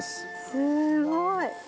すごい。